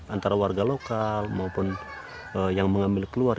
antara warga lokal maupun yang mengambil keluar